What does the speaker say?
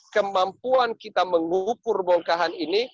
kemampuan kita mengukur bongkahan ini